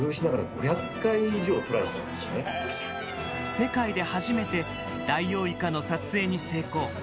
世界で初めてダイオウイカの撮影に成功。